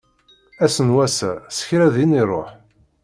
Ass n wass-a, s kra din iruḥ.